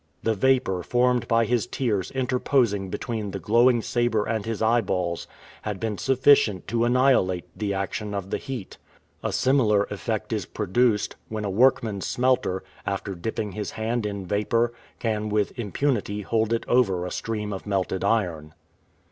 The vapor formed by his tears interposing between the glowing saber and his eyeballs, had been sufficient to annihilate the action of the heat. A similar effect is produced, when a workman smelter, after dipping his hand in vapor, can with impunity hold it over a stream of melted iron.